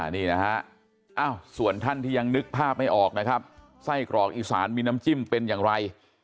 นี่นะฮะส่วนท่านที่ยังนึกภาพไม่ออกนะครับไส้กรอกอีสานมีน้ำจิ้มเป็นอย่างไร